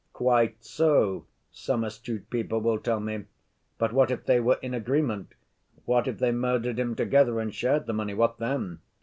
" 'Quite so,' some astute people will tell me, 'but what if they were in agreement? What if they murdered him together and shared the money—what then?